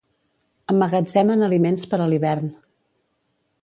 Emmagatzemen aliments per a l'hivern.